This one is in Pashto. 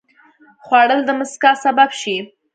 خوړل د مسکا سبب شي